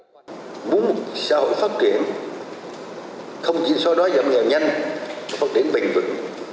xã hội phát triển không chỉ so đoán giảm nghèo nhanh phát triển bình vực